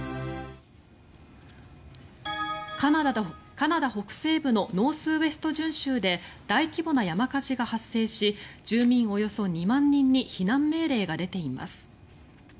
カナダ北西部のノースウエスト準州で大規模な山火事が発生し住民およそ２万人に避難命令が出ています。